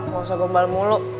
gak usah gembal mulu